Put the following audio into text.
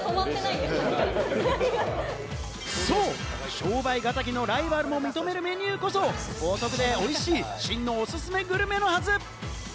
商売敵のライバルが認めるメニューこそ、お得でおいしい真のおすすめグルメのはず！